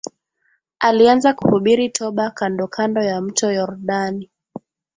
Alianza kuhubiri toba kandokando ya mto Yordani